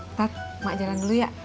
tat mak jalan dulu ya